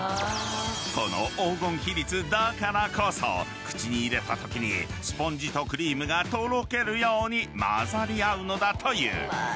［この黄金比率だからこそ口に入れたときにスポンジとクリームがとろけるように混ざり合うのだという］